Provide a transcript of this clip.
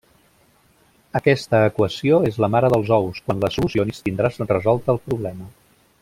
Aquesta equació és la mare dels ous. Quan la solucionis tindràs resolt el problema.